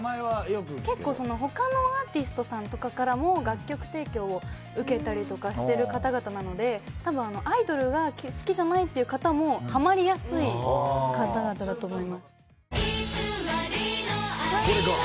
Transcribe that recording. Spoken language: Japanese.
結構他のアーティストさんとかからも楽曲提供を受けたりとかしてる方々なのでアイドルが好きじゃないって方もはまりやすい方々だと思います。